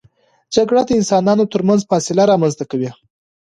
جګړه د انسانانو ترمنځ فاصله رامنځته کوي.